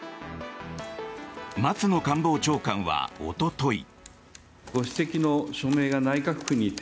松野官房長官はおととい。